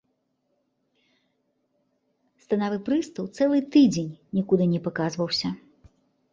Станавы прыстаў цэлы тыдзень нікуды не паказваўся.